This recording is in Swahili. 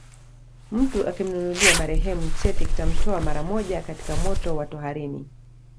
Mtu akimnunulia marehemu cheti kitamtoa mara moja katika moto wa toharani